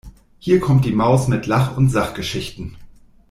Hier kommt die Maus mit Lach- und Sachgeschichten!